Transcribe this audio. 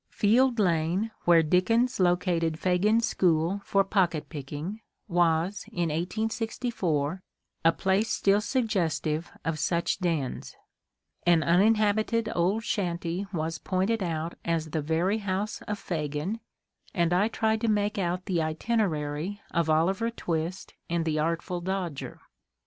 Field Lane, where Dickens located Fagin's school for pocket picking, was, in 1864, a place still suggestive of such dens : an uninhabited old shanty was pointed out as the very house of Fagin, and I tried to make out the itinerary of Oliver Twist and the Artful Dodger.